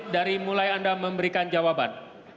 dari mulai anda memberikan jawaban